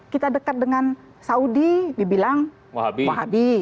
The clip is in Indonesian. kita dekat dengan saudi dibilang mahabi